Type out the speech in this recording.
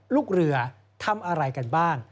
ลูกเรือทำอะไรกันบ้าง